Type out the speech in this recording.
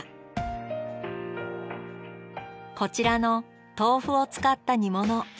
こちらの豆腐を使った煮物。